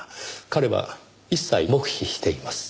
彼は一切黙秘しています。